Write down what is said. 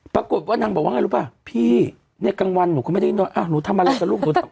ปรากฏว่านางบอกว่าไงรู้ป่ะพี่ในกลางวันหนูก็ไม่ได้นอนหนูทำอะไรกับลูกหนู